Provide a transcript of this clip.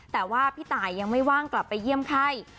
แต่ว่าพี่ตายยังไม่ว่างกลับไปเยี่ยมไข้